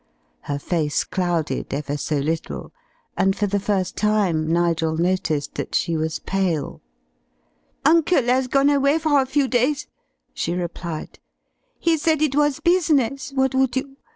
Her face clouded ever so little, and for the first time Nigel noticed that she was pale. "Uncle has gone away for a few days," she replied. "He said it was business what would you?